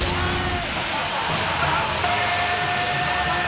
［残念！］